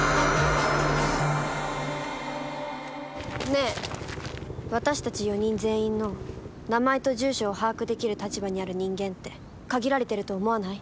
ねえ私たち４人全員の名前と住所を把握できる立場にある人間って限られてると思わない？